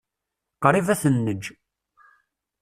Qṛib ad ten-neǧǧ.